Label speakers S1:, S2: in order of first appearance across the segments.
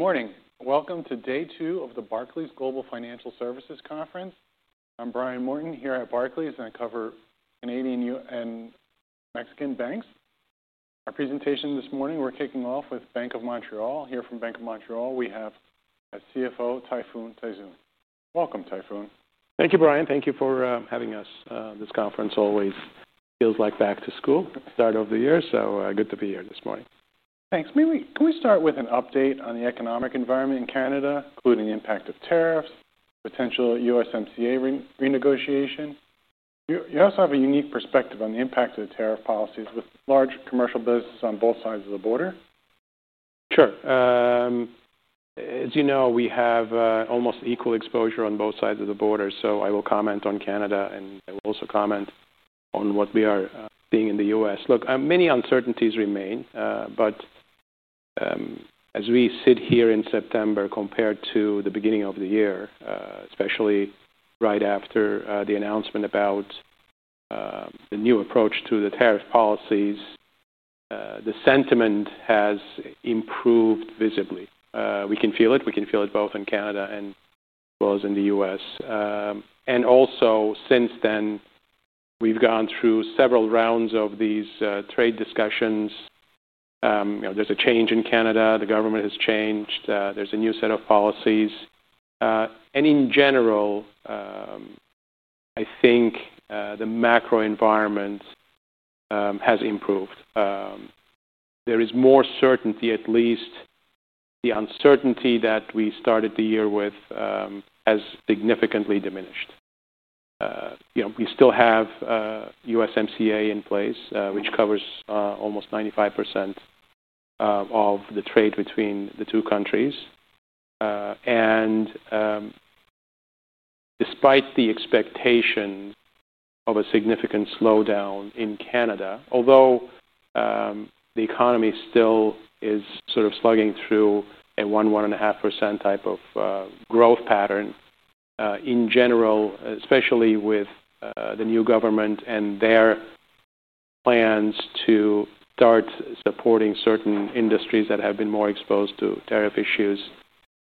S1: Good morning. Welcome to day two of the Barclays Global Financial Services Conference. I'm Brian Morton here at Barclays, and I cover Canadian and Mexican banks. Our presentation this morning, we're kicking off with Bank of Montreal. Here from Bank of Montreal, we have our CFO, Tayfun Tuzun. Welcome, Tayfun.
S2: Thank you, Brian. Thank you for having us. This conference always feels like back to school at the start of the year, so good to be here this morning.
S1: Thanks. Can we start with an update on the economic environment in Canada, including the impact of tariffs, potential USMCA renegotiation? You also have a unique perspective on the impact of the tariff policies with large commercial businesses on both sides of the border.
S2: Sure. As you know, we have almost equal exposure on both sides of the border, so I will comment on Canada, and I will also comment on what we are seeing in the U.S. Many uncertainties remain, but as we sit here in September compared to the beginning of the year, especially right after the announcement about the new approach to the tariff policies, the sentiment has improved visibly. We can feel it. We can feel it both in Canada and as well as in the U.S. Also, since then, we've gone through several rounds of these trade discussions. There's a change in Canada. The government has changed. There's a new set of policies. In general, I think the macro environment has improved. There is more certainty, at least the uncertainty that we started the year with has significantly diminished. We still have USMCA in place, which covers almost 95% of the trade between the two countries. Despite the expectation of a significant slowdown in Canada, although the economy still is sort of slugging through a 1%, 1.5% type of growth pattern, in general, especially with the new government and their plans to start supporting certain industries that have been more exposed to tariff issues,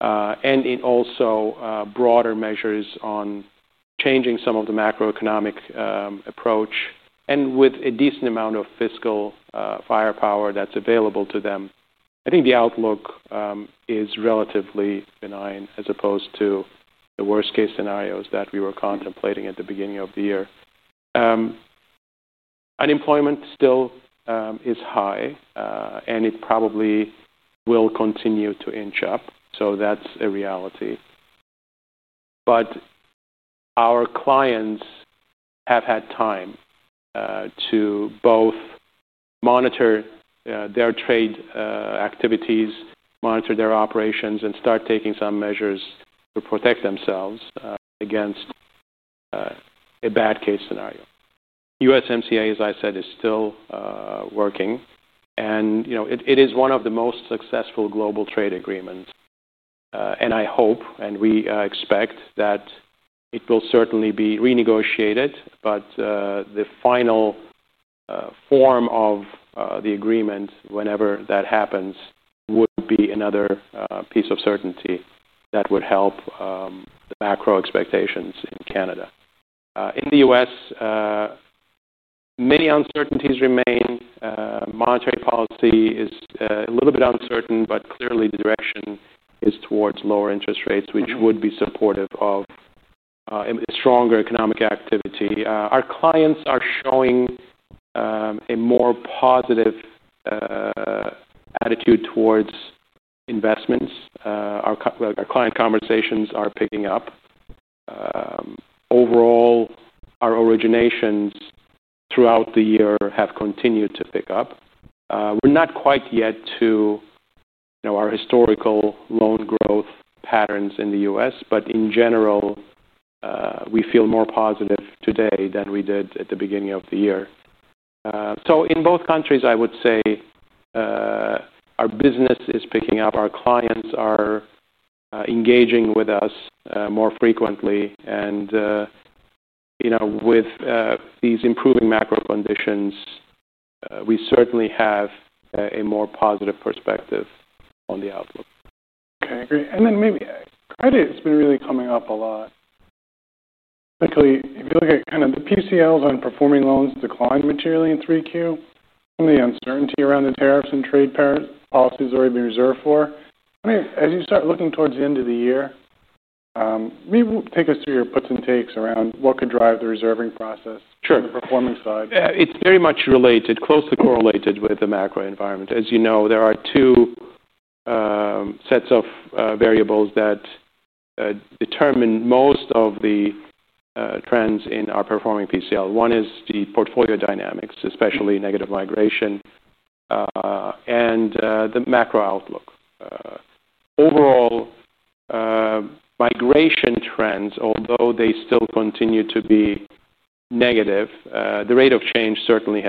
S2: and in also broader measures on changing some of the macroeconomic approach, and with a decent amount of fiscal firepower that's available to them, I think the outlook is relatively benign as opposed to the worst-case scenarios that we were contemplating at the beginning of the year. Unemployment still is high, and it probably will continue to inch up. That's a reality. Our clients have had time to both monitor their trade activities, monitor their operations, and start taking some measures to protect themselves against a bad case scenario. USMCA, as I said, is still working, and it is one of the most successful global trade agreements. I hope, and we expect, that it will certainly be renegotiated, but the final form of the agreement, whenever that happens, would be another piece of certainty that would help the macro expectations in Canada. In the U.S., many uncertainties remain. Monetary policy is a little bit uncertain, but clearly the direction is towards lower interest rates, which would be supportive of a stronger economic activity. Our clients are showing a more positive attitude towards investments. Our client conversations are picking up. Overall, our originations throughout the year have continued to pick up. We're not quite yet to our historical loan growth patterns in the U.S., but in general, we feel more positive today than we did at the beginning of the year. In both countries, I would say our business is picking up. Our clients are engaging with us more frequently. With these improving macro conditions, we certainly have a more positive perspective on the outlook.
S1: Okay, great. Maybe credit has been really coming up a lot. Luckily, if you look at kind of the PCLs on performing loans, declined materially in 3Q. Some of the uncertainty around the tariffs and trade policies already reserved for. I mean, as you start looking towards the end of the year, maybe take us through your puts and takes around what could drive the reserving process on the performance side.
S2: Sure. It's very much related, closely correlated with the macro environment. As you know, there are two sets of variables that determine most of the trends in our performing PCL. One is the portfolio dynamics, especially negative migration, and the macro outlook. Overall, migration trends, although they still continue to be negative, the rate of change certainly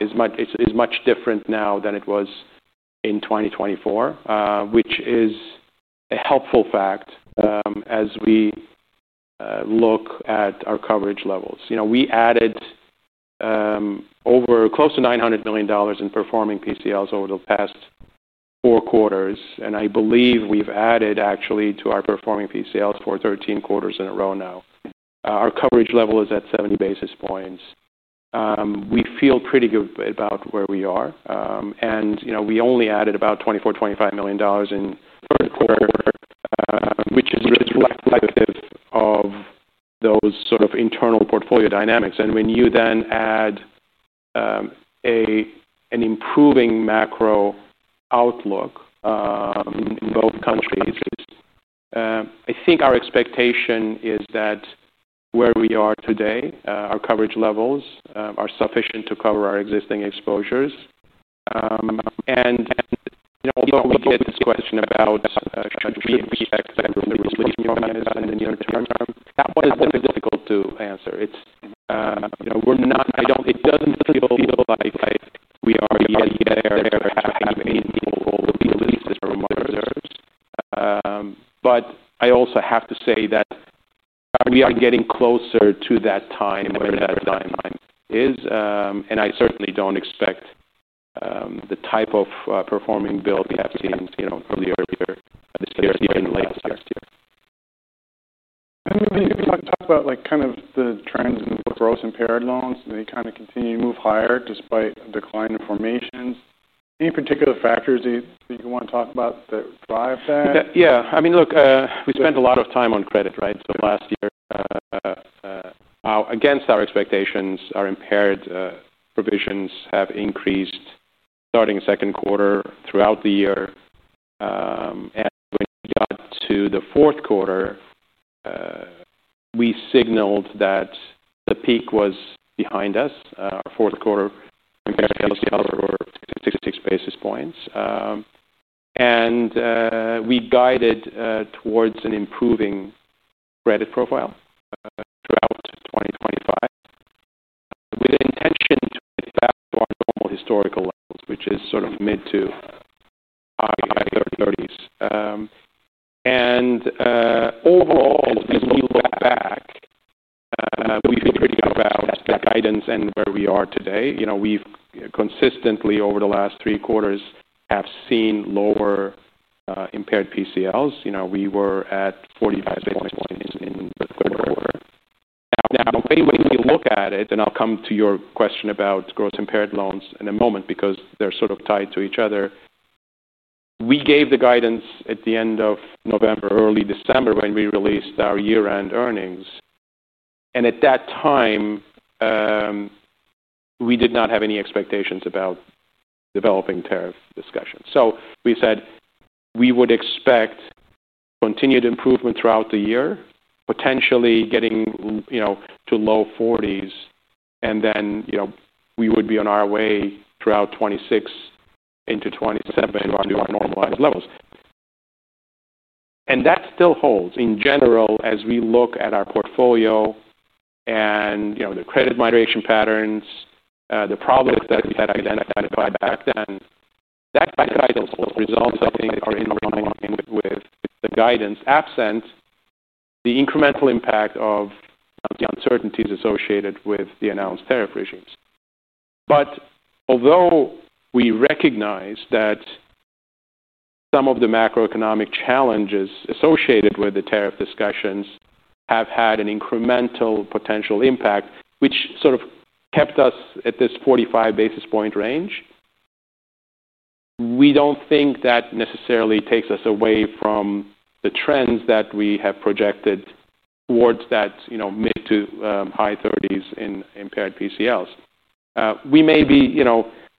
S2: is much different now than it was in 2024, which is a helpful fact as we look at our coverage levels. We added close to $900 million in performing PCLs over the past four quarters, and I believe we've added actually to our performing PCLs for 13 quarters in a row now. Our coverage level is at 70 basis points. We feel pretty good about where we are. We only added about $24 million, $25 million in the first quarter, which is reflective of those sort of internal portfolio dynamics. When you then add an improving macro outlook in both countries, I think our expectation is that where we are today, our coverage levels are sufficient to cover our existing exposures. Although I will take this question about the effect of the resolution you organized on in the year to come, that one is a bit difficult to answer. It doesn't feel like we are yet there at half a half, at least as far as we're concerned. I also have to say that we are getting closer to that time, whatever that time is. I certainly don't expect the type of performing bill we have seen from earlier this year here in the last year's year.
S1: If you want to talk about kind of the trends in gross and impaired loans, they kind of continue to move higher despite a decline in formations. Any particular factors that you want to talk about that drive that?
S2: Yeah. I mean, look, we spent a lot of time on credit, right? Last year, against our expectations, our impaired provisions have increased starting the second quarter throughout the year. When we got to the fourth quarter, we signaled that the peak was behind us. Our fourth quarter, we got a LCR of 66 basis points. We guided towards an improving credit profile throughout 2025 with the intention to get back to our normal historical levels, which is sort of mid to high 30s. Overall, when we look back, we feel pretty good about that guidance and where we are today. We've consistently, over the last three quarters, seen lower impaired PCLs. We were at 45 basis points in the quarter. Now, when we look at it, and I'll come to your question about gross impaired loans in a moment because they're sort of tied to each other, we gave the guidance at the end of November, early December, when we released our year-end earnings. At that time, we did not have any expectations about developing tariff discussions. We said we would expect continued improvement throughout the year, potentially getting to low 40s, and then we would be on our way throughout 2026 into 2027 under our normalized levels. That still holds in general as we look at our portfolio and the credit migration patterns, the problems that we had identified back then. That guidance results, I think, are in line with the guidance absent the incremental impact of the uncertainties associated with the announced tariff regimes. Although we recognize that some of the macroeconomic challenges associated with the tariff discussions have had an incremental potential impact, which sort of kept us at this 45 basis point range, we don't think that necessarily takes us away from the trends that we have projected towards that mid to high 30s in impaired PCLs. We may be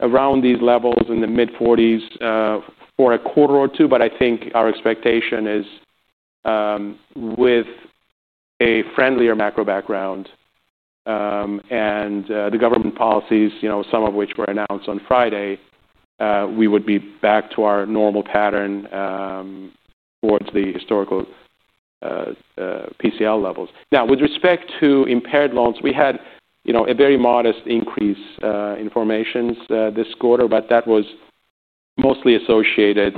S2: around these levels in the mid 40s for a quarter or two, but I think our expectation is with a friendlier macro background and the government policies, some of which were announced on Friday, we would be back to our normal pattern towards the historical PCL levels. Now, with respect to impaired loans, we had a very modest increase in formations this quarter, but that was mostly associated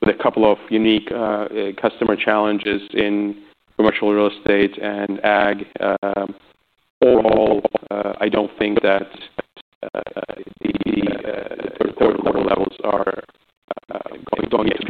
S2: with a couple of unique customer challenges in commercial real estate and AG. Overall, I don't think that the third quarter levels are going to be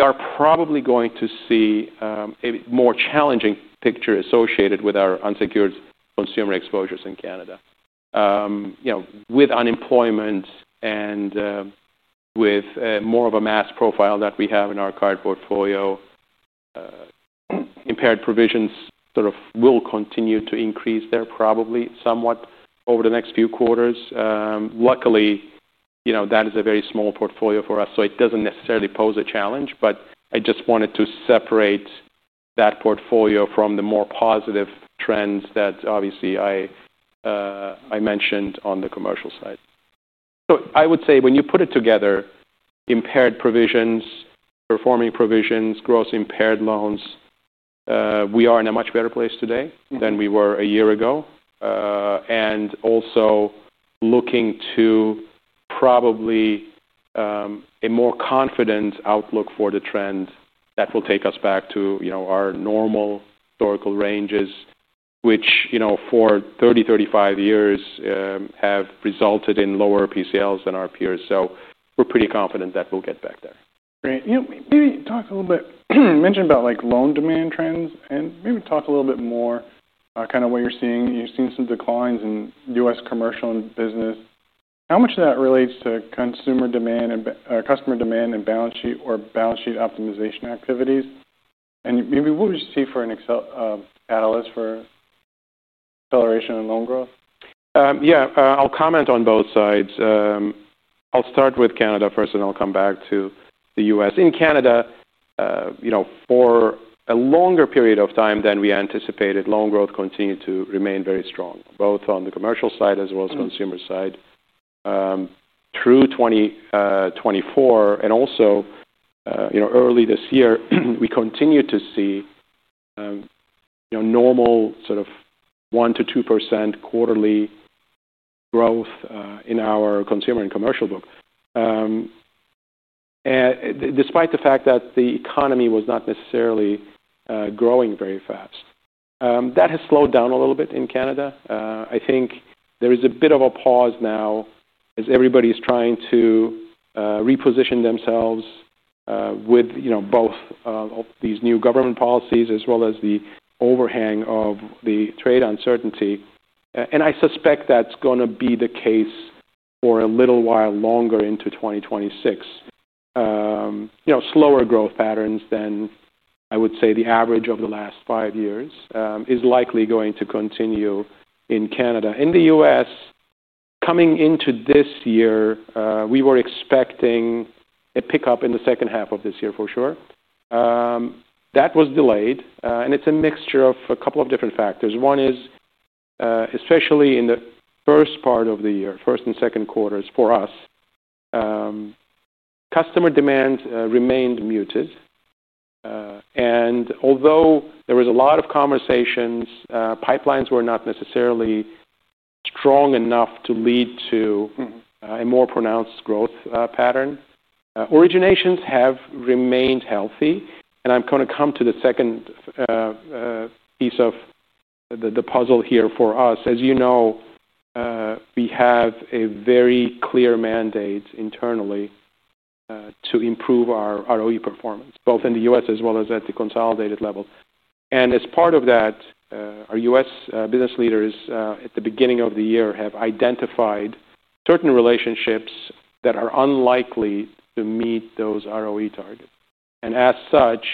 S2: a challenge for us. We're on our way to normalize yet on the others. We'll work toward those, but that's a big client and there are sort of some unique factors associated with them. The only comment that I make as opposed to the improving credit outlook, we are probably going to see a more challenging picture associated with our unsecured consumer exposures in Canada. With unemployment and with more of a mass profile that we have in our card portfolio, impaired provisions will continue to increase there probably somewhat over the next few quarters. Luckily, you know that is a very small portfolio for us, so it doesn't necessarily pose a challenge, but I just wanted to separate that portfolio from the more positive trends that obviously I mentioned on the commercial side. I would say when you put it together, impaired provisions, performing provisions, gross impaired loans, we are in a much better place today than we were a year ago. Also looking to probably a more confident outlook for the trend that will take us back to our normal historical ranges, which for 30, 35 years have resulted in lower PCLs than our peers. We're pretty confident that we'll get back there.
S1: Great. Maybe talk a little bit, mention about loan demand trends, and maybe talk a little bit more, kind of what you're seeing. You've seen some declines in U.S. commercial and business. How much of that relates to consumer demand and customer demand and balance sheet or balance sheet optimization activities? Maybe what would you see for an excel catalyst for acceleration in loan growth?
S2: Yeah, I'll comment on both sides. I'll start with Canada first, and I'll come back to the U.S. In Canada, for a longer period of time than we anticipated, loan growth continued to remain very strong, both on the commercial side as well as consumer side through 2024. Also, early this year, we continued to see normal sort of 1% to 2% quarterly growth in our consumer and commercial book. Despite the fact that the economy was not necessarily growing very fast, that has slowed down a little bit in Canada. I think there is a bit of a pause now as everybody is trying to reposition themselves with both these new government policies as well as the overhang of the trade uncertainty. I suspect that's going to be the case for a little while longer into 2026. Slower growth patterns than I would say the average of the last five years is likely going to continue in Canada. In the U.S., coming into this year, we were expecting a pickup in the second half of this year for sure. That was delayed, and it's a mixture of a couple of different factors. One is, especially in the first part of the year, first and second quarters for us, customer demand remained muted. Although there was a lot of conversations, pipelines were not necessarily strong enough to lead to a more pronounced growth pattern. Originations have remained healthy. I'm going to come to the second piece of the puzzle here for us. As you know, we have a very clear mandate internally to improve our ROE performance, both in the U.S. as well as at the consolidated level. As part of that, our U.S. business leaders at the beginning of the year have identified certain relationships that are unlikely to meet those ROE targets. As such,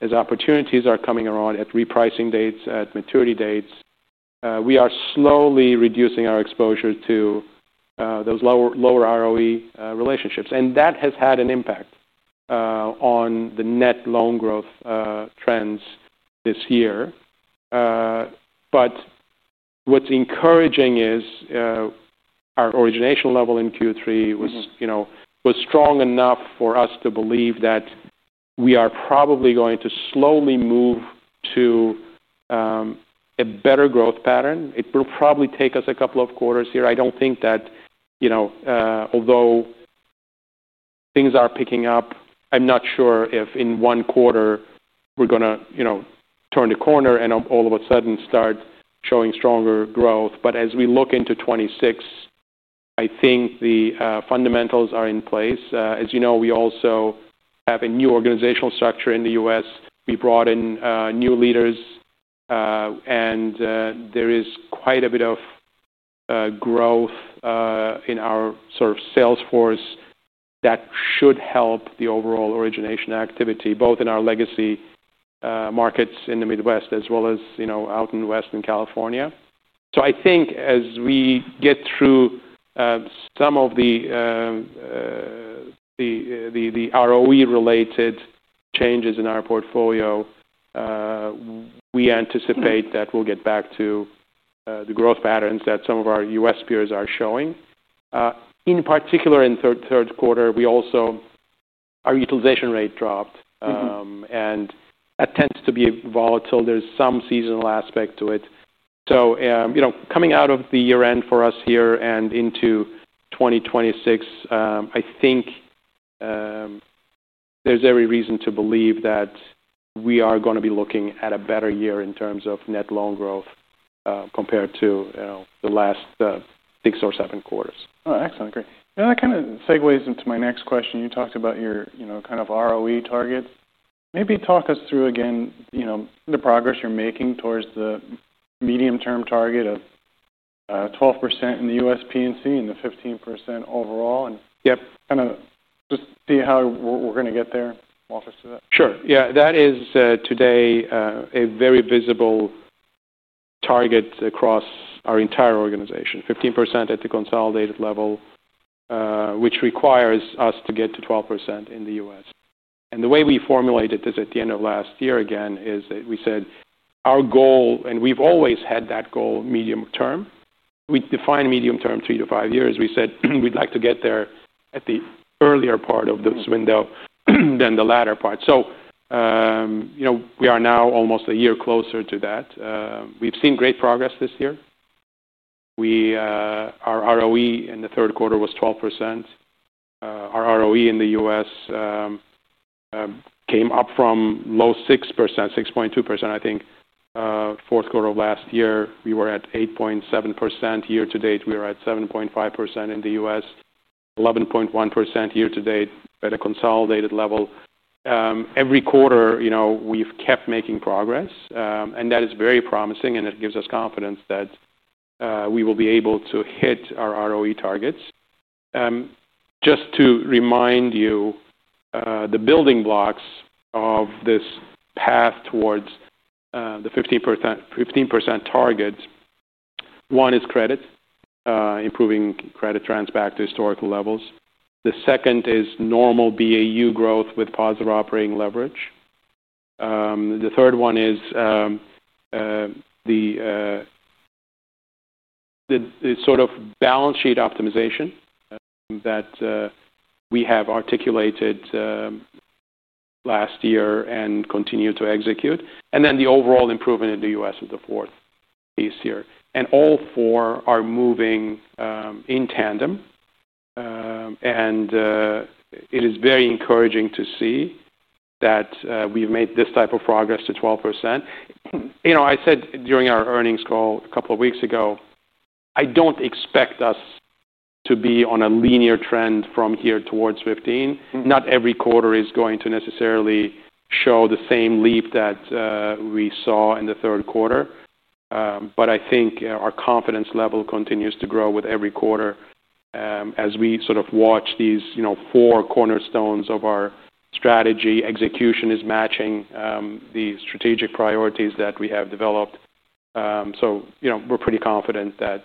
S2: as opportunities are coming around at repricing dates, at maturity dates, we are slowly reducing our exposure to those lower ROE relationships. That has had an impact on the net loan growth trends this year. What's encouraging is our origination level in Q3 was strong enough for us to believe that we are probably going to slowly move to a better growth pattern. It will probably take us a couple of quarters here. I don't think that, you know, although things are picking up, I'm not sure if in one quarter we're going to turn the corner and all of a sudden start showing stronger growth. As we look into 2026, I think the fundamentals are in place. As you know, we also have a new organizational structure in the U.S. We brought in new leaders, and there is quite a bit of growth in our sort of sales force that should help the overall origination activity, both in our legacy markets in the Midwest as well as out in Western California. I think as we get through some of the ROE-related changes in our portfolio, we anticipate that we'll get back to the growth patterns that some of our U.S. peers are showing. In particular, in the third quarter, our utilization rate dropped, and that tends to be volatile. There's some seasonal aspect to it. Coming out of the year-end for us here and into 2026, I think there's every reason to believe that we are going to be looking at a better year in terms of net loan growth compared to the last six or seven quarters.
S1: Excellent. Great. That kind of segues into my next question. You talked about your kind of ROE targets. Maybe talk us through again the progress you're making towards the medium-term target of 12% in the U.S. Personal & Commercial Banking and the 15% overall. Kind of just see how we're going to get there.
S2: Sure. Yeah. That is today a very visible target across our entire organization. 15% at the consolidated level, which requires us to get to 12% in the U.S. The way we formulated this at the end of last year, again, is that we said our goal, and we've always had that goal medium term. We define medium term three to five years. We said we'd like to get there at the earlier part of this window than the latter part. We are now almost a year closer to that. We've seen great progress this year. Our ROE in the third quarter was 12%. Our ROE in the U.S. came up from low 6%, 6.2%, I think. Fourth quarter of last year, we were at 8.7% year to date. We were at 7.5% in the U.S., 11.1% year to date at a consolidated level. Every quarter, you know, we've kept making progress. That is very promising, and it gives us confidence that we will be able to hit our ROE targets. Just to remind you, the building blocks of this path towards the 15% target, one is credit, improving credit trends back to historical levels. The second is normal BAU growth with positive operating leverage. The third one is the sort of balance sheet optimization that we have articulated last year and continue to execute. The overall improvement in the U.S. is the fourth piece here. All four are moving in tandem. It is very encouraging to see that we've made this type of progress to 12%. I said during our earnings call a couple of weeks ago, I don't expect us to be on a linear trend from here towards 15%. Not every quarter is going to necessarily show the same leap that we saw in the third quarter. I think our confidence level continues to grow with every quarter as we sort of watch these four cornerstones of our strategy. Execution is matching the strategic priorities that we have developed. We're pretty confident that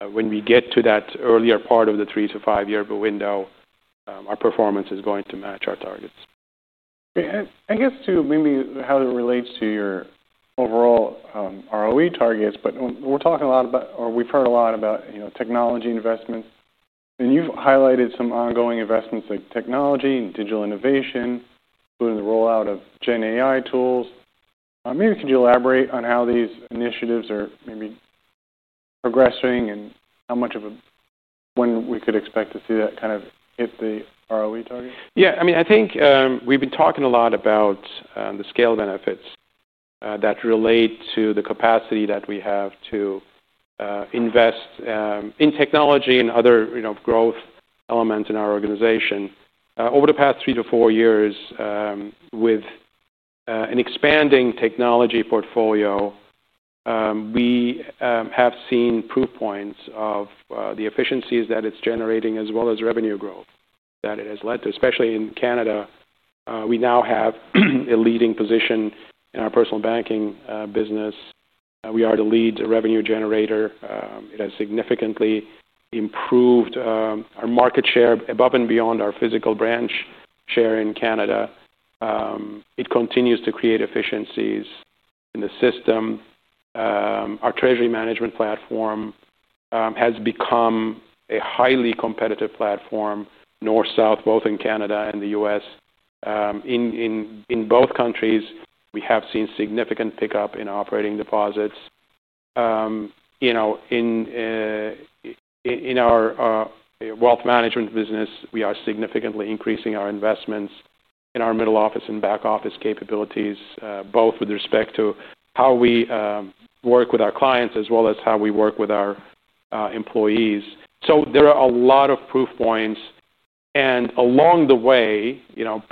S2: when we get to that earlier part of the three to five-year window, our performance is going to match our targets.
S1: I guess to maybe how it relates to your overall ROE targets, but we're talking a lot about, or we've heard a lot about technology investments. You've highlighted some ongoing investments like technology and digital innovation, including the rollout of GenAI tools. Maybe could you elaborate on how these initiatives are maybe progressing and how much of a when we could expect to see that kind of hit the ROE target?
S2: Yeah. I mean, I think we've been talking a lot about the scale benefits that relate to the capacity that we have to invest in technology and other growth elements in our organization. Over the past three to four years, with an expanding technology portfolio, we have seen proof points of the efficiencies that it's generating as well as revenue growth that it has led to, especially in Canada. We now have a leading position in our personal banking business. We are the lead revenue generator. It has significantly improved our market share above and beyond our physical branch share in Canada. It continues to create efficiencies in the system. Our treasury management platform has become a highly competitive platform, north-south, both in Canada and the U.S. In both countries, we have seen significant pickup in operating deposits. In our wealth management business, we are significantly increasing our investments in our middle office and back office capabilities, both with respect to how we work with our clients as well as how we work with our employees. There are a lot of proof points. Along the way,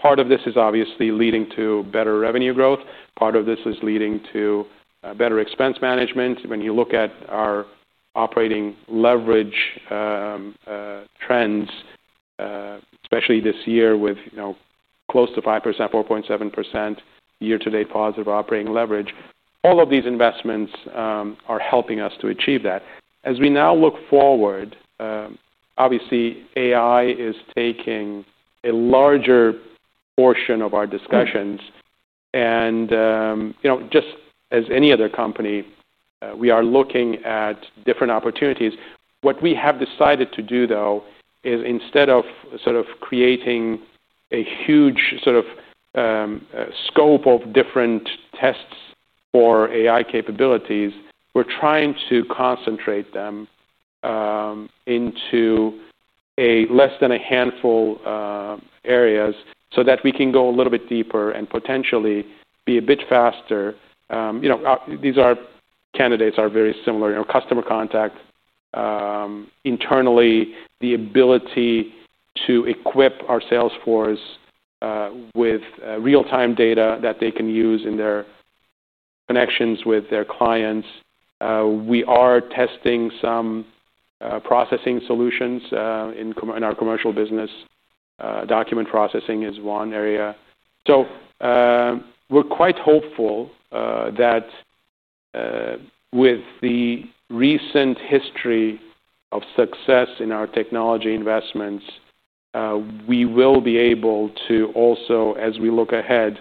S2: part of this is obviously leading to better revenue growth. Part of this is leading to better expense management. When you look at our operating leverage trends, especially this year with close to 5%, 4.7% year-to-date positive operating leverage, all of these investments are helping us to achieve that. As we now look forward, obviously, AI is taking a larger portion of our discussions. Just as any other company, we are looking at different opportunities. What we have decided to do, though, is instead of sort of creating a huge sort of scope of different tests for AI capabilities, we're trying to concentrate them into less than a handful of areas so that we can go a little bit deeper and potentially be a bit faster. These candidates are very similar. Customer contact internally, the ability to equip our sales force with real-time data that they can use in their connections with their clients. We are testing some processing solutions in our commercial business. Document processing is one area. We're quite hopeful that with the recent history of success in our technology investments, we will be able to also, as we look ahead,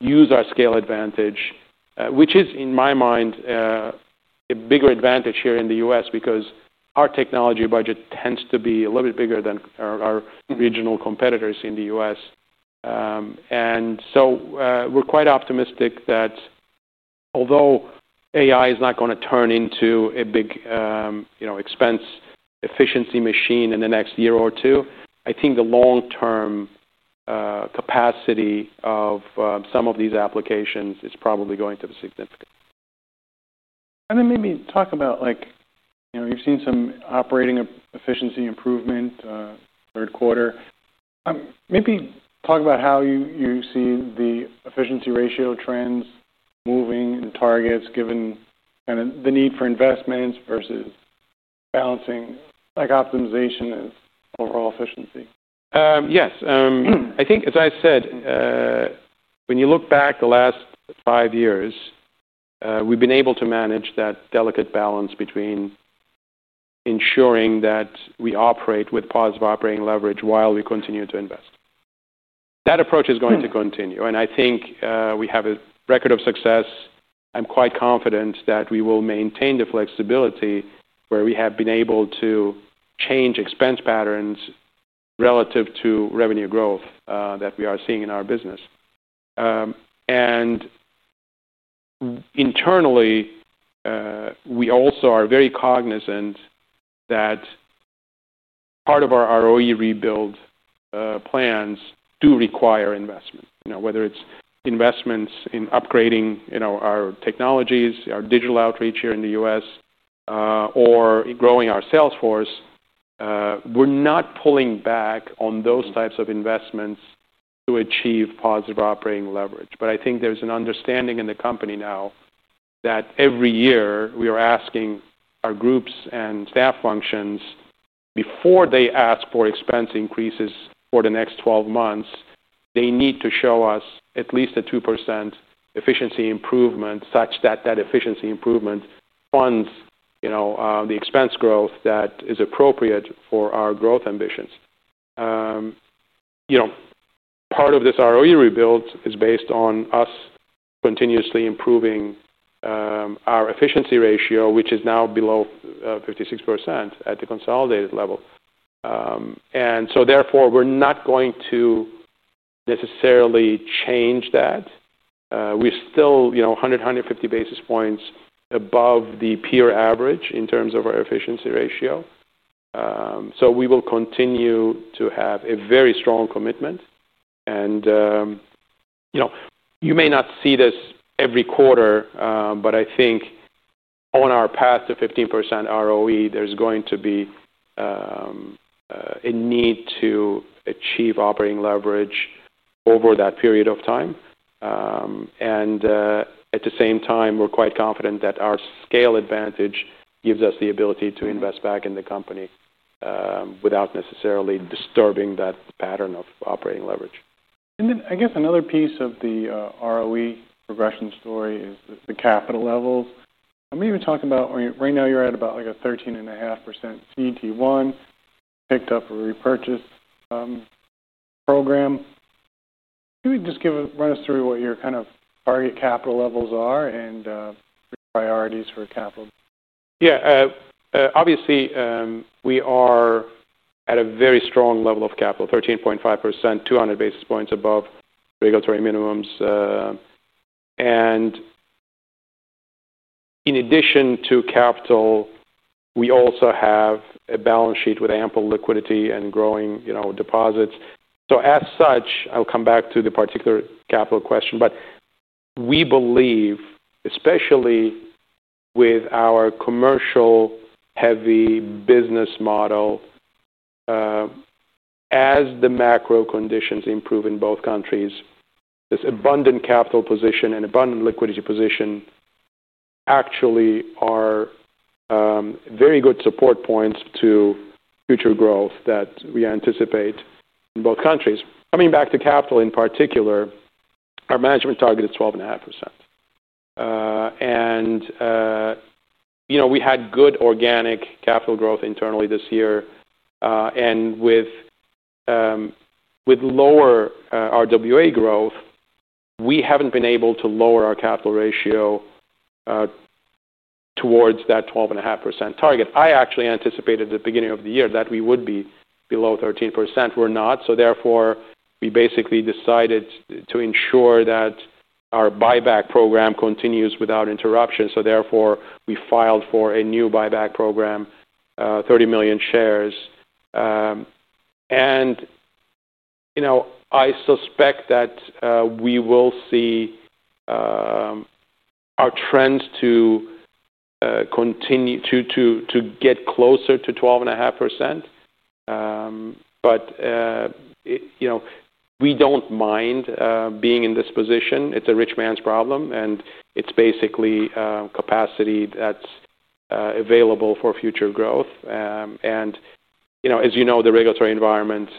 S2: use our scale advantage, which is, in my mind, a bigger advantage here in the U.S. because our technology budget tends to be a little bit bigger than our regional competitors in the U.S. We're quite optimistic that although AI is not going to turn into a big expense efficiency machine in the next year or two, I think the long-term capacity of some of these applications is probably going to be significant.
S1: Maybe talk about, like, you've seen some operating efficiency improvement third quarter. Maybe talk about how you see the efficiency ratio trends moving and targets, given kind of the need for investments versus balance sheet optimization and overall efficiency.
S2: Yes. I think, as I said, when you look back the last five years, we've been able to manage that delicate balance between ensuring that we operate with positive operating leverage while we continue to invest. That approach is going to continue. I think we have a record of success. I'm quite confident that we will maintain the flexibility where we have been able to change expense patterns relative to revenue growth that we are seeing in our business. Internally, we also are very cognizant that part of our ROE rebuild plans do require investment. Whether it's investments in upgrading our technologies, our digital outreach here in the U.S., or growing our sales force, we're not pulling back on those types of investments to achieve positive operating leverage. I think there's an understanding in the company now that every year we are asking our groups and staff functions, before they ask for expense increases for the next 12 months, they need to show us at least a 2% efficiency improvement such that that efficiency improvement funds the expense growth that is appropriate for our growth ambitions. Part of this ROE rebuild is based on us continuously improving our efficiency ratio, which is now below 56% at the consolidated level. Therefore, we're not going to necessarily change that. We're still 100, 150 basis points above the peer average in terms of our efficiency ratio. We will continue to have a very strong commitment. You may not see this every quarter, but I think on our path to 15% ROE, there's going to be a need to achieve operating leverage over that period of time. At the same time, we're quite confident that our scale advantage gives us the ability to invest back in the company without necessarily disturbing that pattern of operating leverage.
S1: Another piece of the ROE progression story is the capital levels. I'm even talking about right now you're at about a 13.5% CET1, picked up a repurchase program. Can you just give a run-through what your kind of target capital levels are and your priorities for capital?
S2: Yeah. Obviously, we are at a very strong level of capital, 13.5%, 200 basis points above regulatory minimums. In addition to capital, we also have a balance sheet with ample liquidity and growing deposits. As such, I'll come back to the particular capital question. We believe, especially with our commercial-heavy business model, as the macro conditions improve in both countries, this abundant capital position and abundant liquidity position actually are very good support points to future growth that we anticipate in both countries. Coming back to capital in particular, our management target is 12.5%. We had good organic capital growth internally this year, and with lower RWA growth, we haven't been able to lower our capital ratio towards that 12.5% target. I actually anticipated at the beginning of the year that we would be below 13%. We're not. Therefore, we basically decided to ensure that our buyback program continues without interruption. Therefore, we filed for a new buyback program, 30 million shares. I suspect that we will see our trends to get closer to 12.5%. We don't mind being in this position. It's a rich man's problem, and it's basically capacity that's available for future growth. As you know, the regulatory environment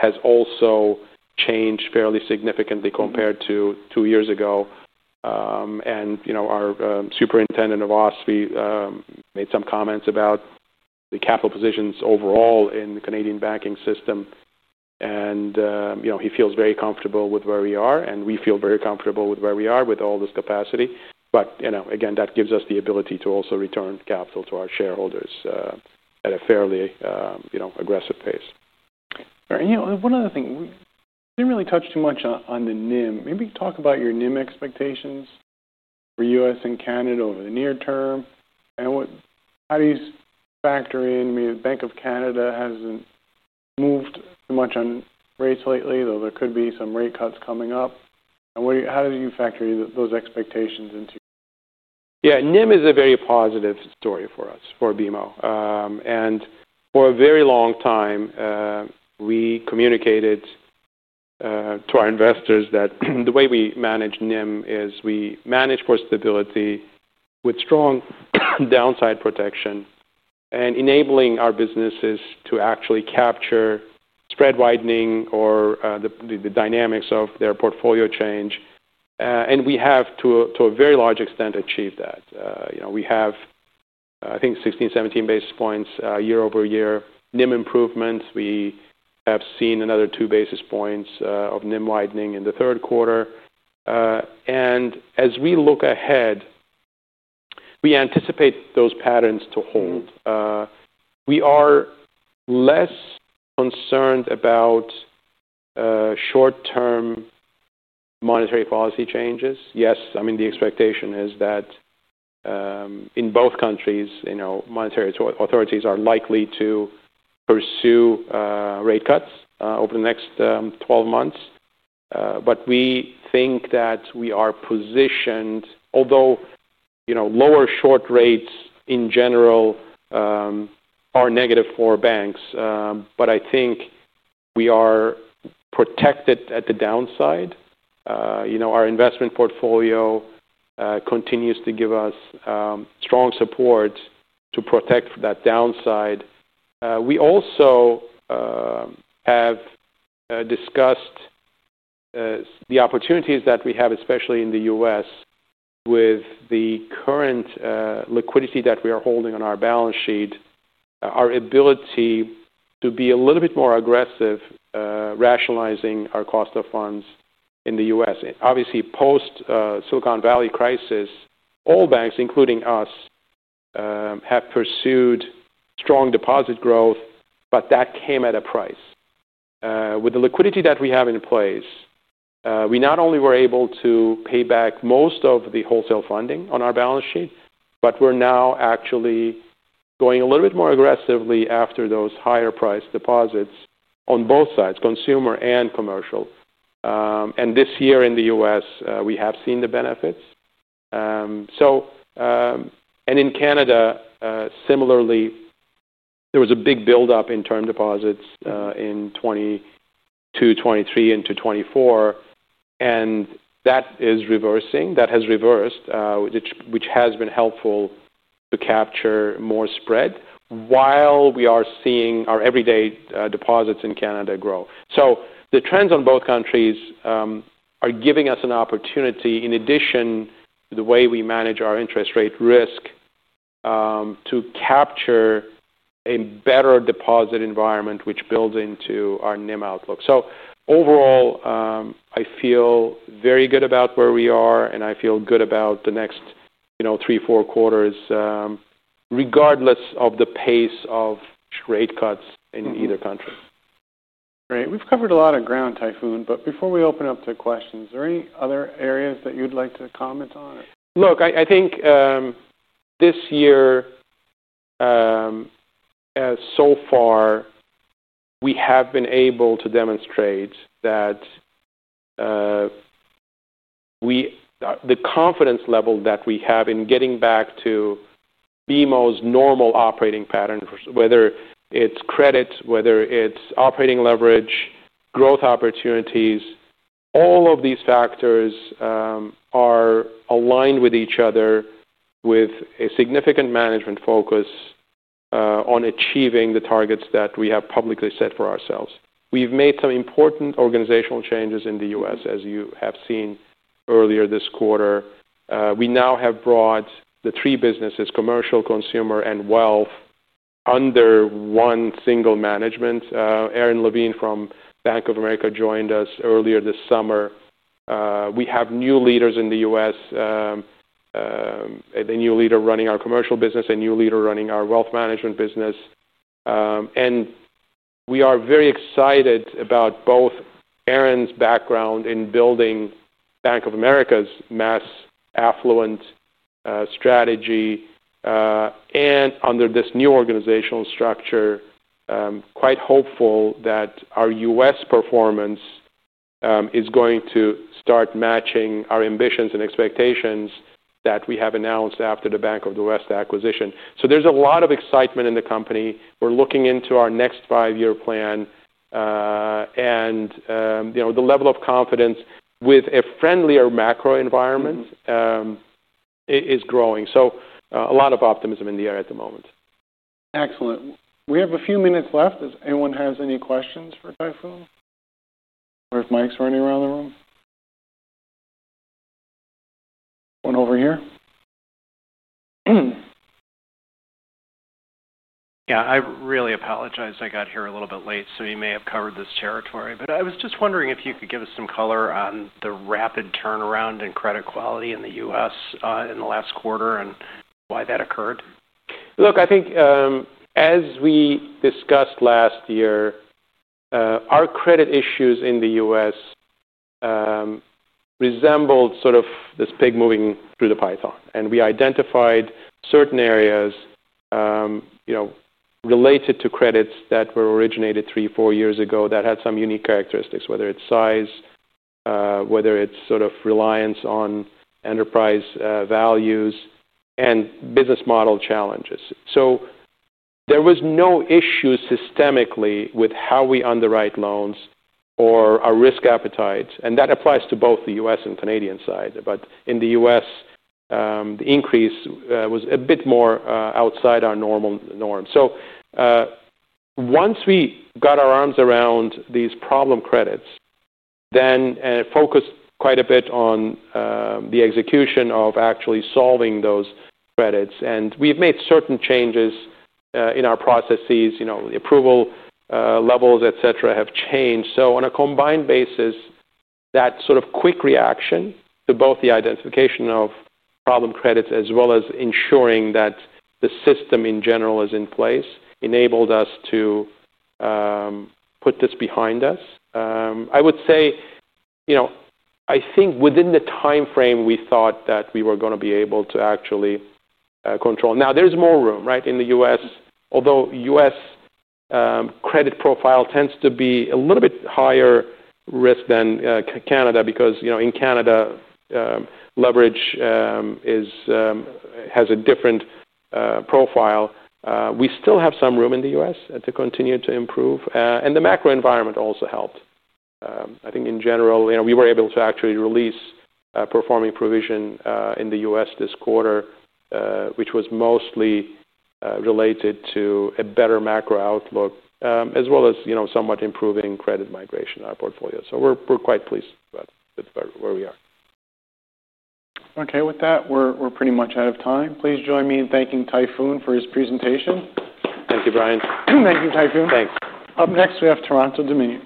S2: has also changed fairly significantly compared to two years ago. Our superintendent of OSFI made some comments about the capital positions overall in the Canadian banking system, and he feels very comfortable with where we are. We feel very comfortable with where we are with all this capacity. Again, that gives us the ability to also return capital to our shareholders at a fairly aggressive pace.
S1: All right. One other thing, we didn't really touch too much on the NIM. Maybe you can talk about your NIM expectations for U.S. and Canada over the near term. How do you factor in, maybe the Bank of Canada hasn't moved too much on rates lately, though there could be some rate cuts coming up? How do you factor those expectations in?
S2: Yeah, NIM is a very positive story for us, for BMO. For a very long time, we communicated to our investors that the way we manage NIM is we manage for stability with strong downside protection and enabling our businesses to actually capture spread widening or the dynamics of their portfolio change. We have, to a very large extent, achieved that. We have, I think, 16, 17 basis points year over year NIM improvements. We have seen another two basis points of NIM widening in the third quarter. As we look ahead, we anticipate those patterns to hold. We are less concerned about short-term monetary policy changes. The expectation is that in both countries, monetary authorities are likely to pursue rate cuts over the next 12 months. We think that we are positioned, although lower short rates in general are negative for banks. I think we are protected at the downside. Our investment portfolio continues to give us strong support to protect that downside. We also have discussed the opportunities that we have, especially in the U.S., with the current liquidity that we are holding on our balance sheet, our ability to be a little bit more aggressive, rationalizing our cost of funds in the U.S. Obviously, post-Silicon Valley crisis, all banks, including us, have pursued strong deposit growth, but that came at a price. With the liquidity that we have in place, we not only were able to pay back most of the wholesale funding on our balance sheet, but we're now actually going a little bit more aggressively after those higher price deposits on both sides, consumer and commercial. This year in the U.S., we have seen the benefits. In Canada, similarly, there was a big buildup in term deposits in 2022, 2023, into 2024. That is reversing. That has reversed, which has been helpful to capture more spread while we are seeing our everyday deposits in Canada grow. The trends in both countries are giving us an opportunity, in addition to the way we manage our interest rate risk, to capture a better deposit environment, which builds into our NIM outlook. Overall, I feel very good about where we are, and I feel good about the next three, four quarters, regardless of the pace of rate cuts in either country.
S1: Right. We've covered a lot of ground, Tayfun, but before we open up to questions, are there any other areas that you'd like to comment on?
S2: Look, I think this year, so far, we have been able to demonstrate that the confidence level that we have in getting back to BMO's normal operating pattern, whether it's credit, whether it's operating leverage, growth opportunities, all of these factors are aligned with each other with a significant management focus on achieving the targets that we have publicly set for ourselves. We've made some important organizational changes in the U.S., as you have seen earlier this quarter. We now have brought the three businesses, commercial, consumer, and wealth, under one single management. Erin Levine from Bank of America joined us earlier this summer. We have new leaders in the U.S., a new leader running our commercial business, a new leader running our wealth management business. We are very excited about both Erin's background in building Bank of America's mass-affluent strategy, and under this new organizational structure, quite hopeful that our U.S. performance is going to start matching our ambitions and expectations that we have announced after the Bank of the West acquisition. There is a lot of excitement in the company. We're looking into our next five-year plan. The level of confidence with a friendlier macro environment is growing. A lot of optimism in the air at the moment.
S1: Excellent. We have a few minutes left. Does anyone have any questions for Tayfun or if Mike's running around the room? One over here?
S3: I really apologize. I got here a little bit late, so you may have covered this territory. I was just wondering if you could give us some color on the rapid turnaround in credit quality in the U.S. in the last quarter and why that occurred.
S2: Look, I think as we discussed last year, our credit issues in the U.S. resembled sort of this pig moving through the python. We identified certain areas related to credits that were originated three, four years ago that had some unique characteristics, whether it's size, whether it's sort of reliance on enterprise values, and business model challenges. There was no issue systemically with how we underwrite loans or our risk appetite. That applies to both the U.S. and Canadian side. In the U.S., the increase was a bit more outside our normal norm. Once we got our arms around these problem credits, we then focused quite a bit on the execution of actually solving those credits. We've made certain changes in our processes. The approval levels, etc., have changed. On a combined basis, that sort of quick reaction to both the identification of problem credits as well as ensuring that the system in general is in place enabled us to put this behind us. I would say, you know, I think within the time frame, we thought that we were going to be able to actually control. Now, there's more room, right, in the U.S., although the U.S. credit profile tends to be a little bit higher risk than Canada because, you know, in Canada, leverage has a different profile. We still have some room in the U.S. to continue to improve. The macro environment also helped. I think in general, you know, we were able to actually release a performing provision in the U.S. this quarter, which was mostly related to a better macro outlook, as well as, you know, somewhat improving credit migration in our portfolio. We're quite pleased with where we are.
S1: Okay, with that, we're pretty much out of time. Please join me in thanking Tayfun for his presentation.
S2: Thank you, Brian.
S1: Thank you, Tayfun.
S2: Thanks.
S1: Up next, we have Bank of Montreal.